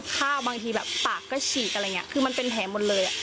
บางทีแบบปากก็ฉีกอะไรอย่างนี้คือมันเป็นแผลหมดเลย